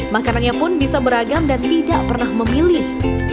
makanannya pun bisa beragam dan tidak pernah memilih